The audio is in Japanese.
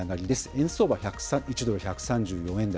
円相場１ドル１３４円台。